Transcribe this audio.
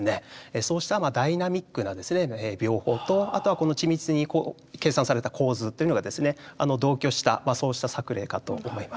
そうしたダイナミックな描法とあとはこの緻密に計算された構図というのが同居したそうした作例かと思います。